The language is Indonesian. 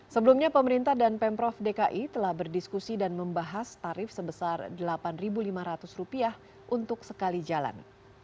sebelumnya pemerintah dan pemprov dki telah berdiskusi dan membahas tarif sebesar rp delapan lima ratus untuk sekali jalan